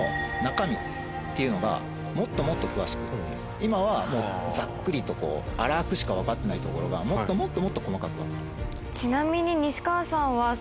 今はもうざっくりとこう粗くしかわかってないところがもっともっともっと細かくわかる。